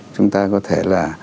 chúng ta có thể là